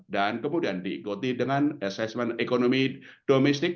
dan kemudian diikuti dengan assessment ekonomi domestik